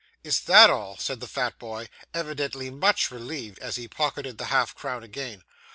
'Is that all?' said the fat boy, evidently very much relieved, as he pocketed the half crown again.